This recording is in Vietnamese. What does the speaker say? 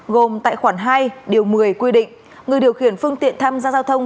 gồm tại khoản hai điều một mươi quy định người điều khiển phương tiện tham gia giao thông